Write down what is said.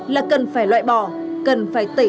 là cần phải loại bỏ cần phải tỉ